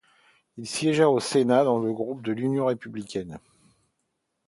Il siégea au Sénat dans le groupe de l'Union républicaine.